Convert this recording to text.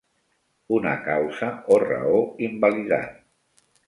Una causa o raó invalidant.